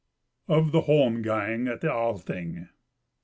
Of the Holmgang at the Althing.